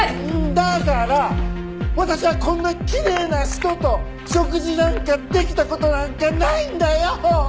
だから私はこんなきれいな人と食事なんかできた事なんかないんだよ！